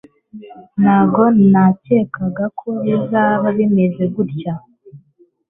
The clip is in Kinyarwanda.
ntago nakekaga ko bizaba bimeze gutya